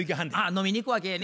飲みに行くわけやね。